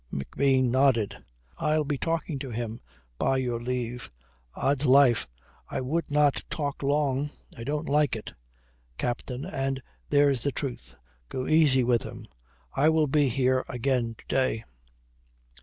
McBean nodded. "I'll be talking to him, by your leave." "Od's life, I would not talk long. I don't like it, Captain, and there's the truth. Go easy with him. I will be here again to day."